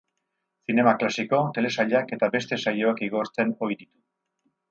Zinema klasiko, telesailak eta beste saioak igortzen ohi ditu.